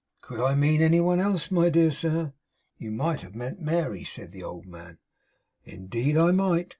Could I mean any one else, my dear sir?' 'You might have meant Mary,' said the old man. 'Indeed I might.